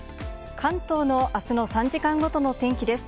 関東のあすの３時間ごとの天気です。